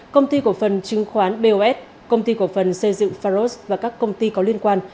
công ty cổ phần chứng khoán bos công ty cổ phần xây dựng pharos và các công ty có liên quan